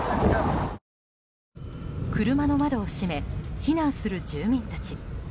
車の窓を閉め避難する住民たち。